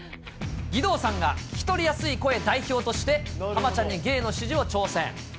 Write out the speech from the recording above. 義堂さんが聞き取りやすい声代表として、ハマちゃんに芸の指示を挑戦。